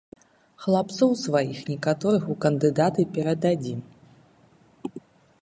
Хлапцоў сваіх некаторых у кандыдаты перададзім.